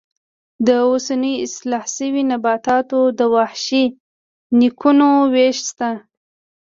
د اوسنیو اصلاح شویو نباتاتو د وحشي نیکونو وېش شته.